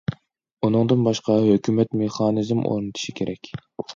ئۇنىڭدىن باشقا، ھۆكۈمەت مېخانىزم ئورنىتىشى كېرەك.